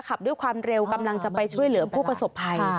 ขับด้วยความเร็วกำลังจะไปช่วยเหลือผู้ประสบภัย